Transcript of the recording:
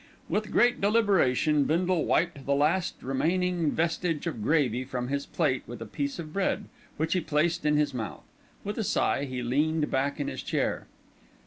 With great deliberation Bindle wiped the last remaining vestige of gravy from his plate with a piece of bread, which he placed in his mouth. With a sigh he leaned back in his chair.